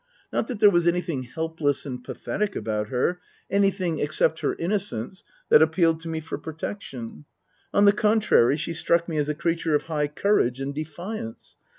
Not that there was anything helpless and pathetic about her, anything, except her innocence, that appealed to me for protection. On the contrary, she struck me as a creature of high courage and defiance.